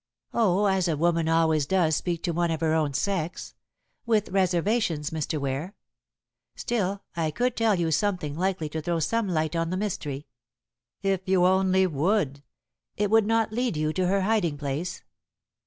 "Oh, as a woman always does speak to one of her own sex. With reservations, Mr. Ware. Still, I could tell you something likely to throw some light on the mystery." "If you only would." "It would not lead you to her hiding place."